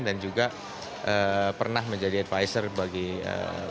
dan juga pernah menjadi advisor bagi pemerintah